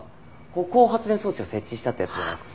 歩行発電装置を設置したってやつじゃないですか？